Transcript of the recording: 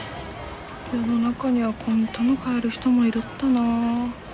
世の中にはこんたの買える人もいるったな。